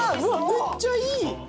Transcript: めっちゃいい！